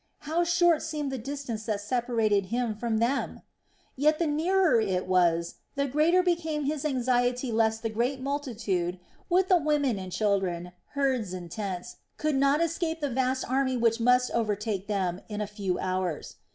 How short seemed the distance that separated him from them! Yet the nearer it was, the greater became his anxiety lest the great multitude, with the women and children, herds and tents, could not escape the vast army which must overtake them in a few hours.